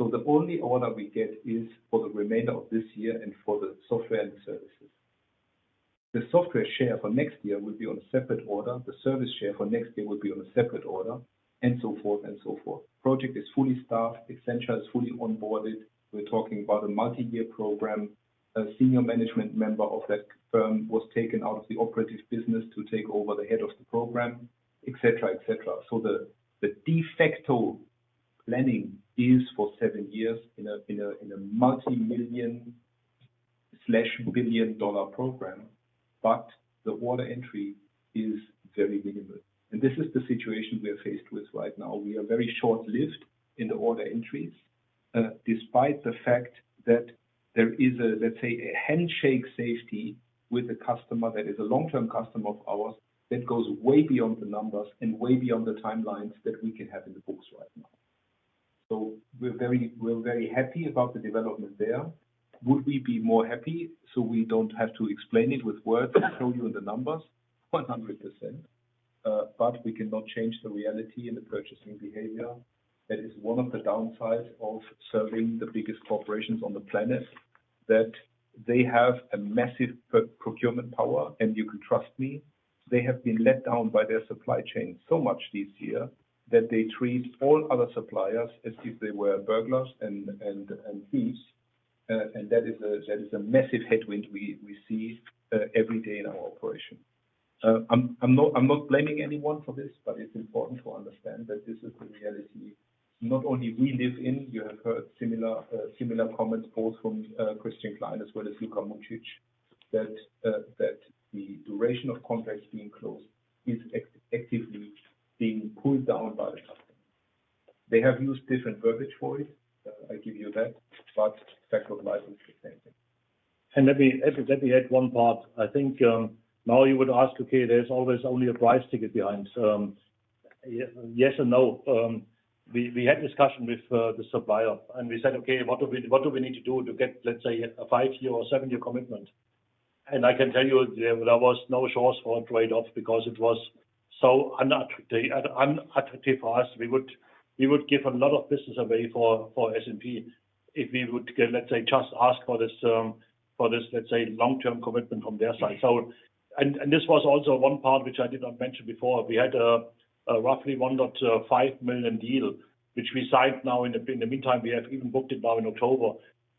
euros. The only order we get is for the remainder of this year and for the software and services. The software share for next year will be on a separate order. The service share for next year will be on a separate order, and so forth and so forth. Project is fully staffed. Accenture is fully onboarded. We're talking about a multi-year program. A senior management member of that firm was taken out of the operative business to take over the head of the program, et cetera, et cetera. The de facto planning is for seven years in a multi-million/billion dollar program, but the order entry is very minimal. This is the situation we are faced with right now. We are very short-lived in the order entries, despite the fact that there is, let's say, a handshake safety with a customer that is a long-term customer of ours that goes way beyond the numbers and way beyond the timelines that we can have in the books right now. We're very happy about the development there. Would we be more happy so we don't have to explain it with words and show you the numbers? 100%. We cannot change the reality and the purchasing behavior. That is one of the downsides of serving the biggest corporations on the planet, that they have a massive procurement power. You can trust me, they have been let down by their supply chain so much this year that they treat all other suppliers as if they were burglars and thieves. That is a massive headwind we see every day in our operation. I'm not blaming anyone for this, but it's important to understand that this is the reality. Not only we live in, you have heard similar comments both from Christian Klein as well as Luka Mucic, that the duration of contracts being closed is actively being pulled down by the customer. They have used different verbiage for it, I give you that, but the effect of it is the same thing. Evi, let me add one part. I think, now you would ask, okay, there's always only a price ticket behind. Yes and no. We had discussion with the supplier, and we said, "Okay, what do we need to do to get, let's say, a five year or seven year commitment?" I can tell you there was no source for a trade-off because it was so unattractive for us. We would give a lot of business away for SNP if we would give, let's say, just ask for this, for this, let's say, long-term commitment from their side. This was also one part which I did not mention before. We had roughly 1.5 million deal, which we signed now in the meantime. We have even booked it now in October.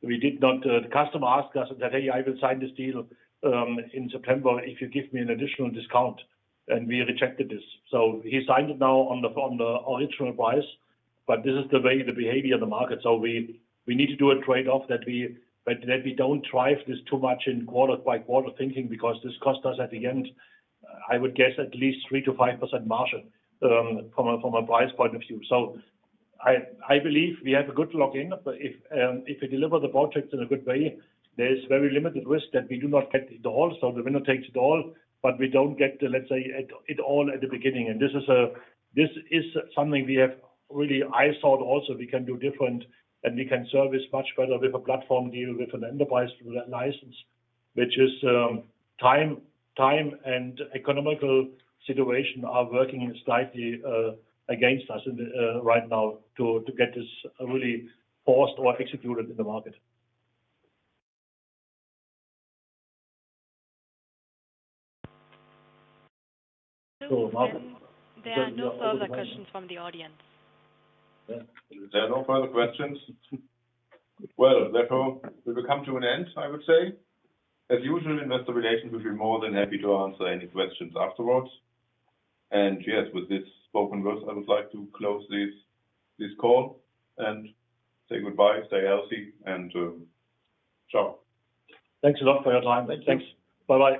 We did not. The customer asked us and said, "Hey, I will sign this deal in September if you give me an additional discount." We rejected this. He signed it now on the original price, but this is the way the behavior of the market. We need to do a trade-off that we don't drive this too much in quarter by quarter thinking, because this cost us at the end. I would guess at least 3%-5% margin from a price point of view. I believe we have a good lock-in. If we deliver the project in a good way, there is very limited risk that we do not get it all. The winner takes it all, but we don't get, let's say, it all at the beginning. This is something we have really, I thought, also we can do different, and we can service much better with a platform deal, with an enterprise license, which is, time and economic situation are working slightly against us right now to get this really forced or executed in the market. There are no further questions from the audience. Yeah. If there are no further questions, well, therefore, we will come to an end, I would say. As usual, Investor Relations will be more than happy to answer any questions afterwards. Yes, with this spoken words, I would like to close this call and say goodbye, stay healthy and, ciao. Thanks a lot for your time. Thanks. Bye-bye.